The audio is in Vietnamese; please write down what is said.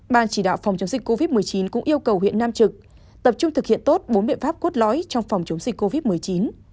ban chỉ đạo phòng chống dịch covid một mươi chín cũng yêu cầu huyện nam trực tập trung thực hiện tốt bốn biện pháp cốt lõi trong phòng chống dịch covid một mươi chín